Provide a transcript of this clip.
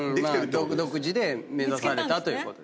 独自で目指されたということ。